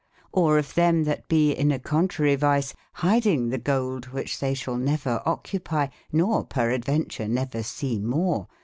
Or of them that be in a contrarie riotoccu vice, hidinge the goldwhiche they shall ^l^F never occupy e, nor peradventure never ^^""^ se more